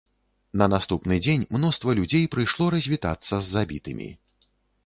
На наступны дзень мноства людзей прыйшло развітацца з забітымі.